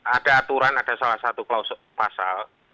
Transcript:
ada aturan ada salah satu klausul pasal